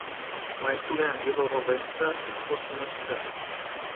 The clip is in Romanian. Maestrului Angelo Rovența, e fostul meu student.